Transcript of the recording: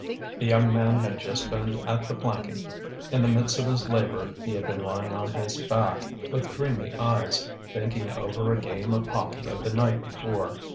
The young man had just been at the planking. In the midst of his labour he had been lying on his back, with dreamy eyes, thinking over a game of hockey of the night before.